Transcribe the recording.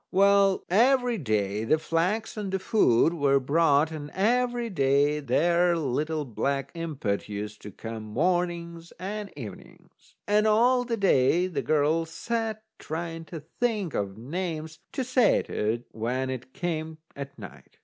Well, every day the flax and the food were brought, and every day that there little black impet used to come mornings and evenings. And all the day the girl sat trying to think of names to say to it when it came at night.